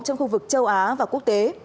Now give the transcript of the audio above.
trong khu vực châu á và quốc tế